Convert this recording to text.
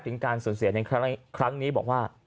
การสูญเสียในครั้งนี้บอกว่า